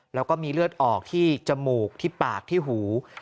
แล้วก็มีเลือดออกที่จมูกที่ปากที่หู